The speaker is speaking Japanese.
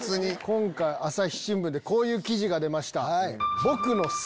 今回朝日新聞でこういう記事が出ました。